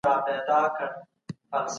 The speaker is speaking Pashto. زه اجازه لرم چي کار وکړم.